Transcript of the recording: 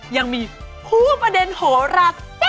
ยังมีผู้ประเด็นโหระ